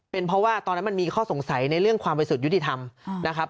เป็นเพราะว่าตอนนั้นมันมีข้อสงสัยในเรื่องความบริสุทธิ์ยุติธรรมนะครับ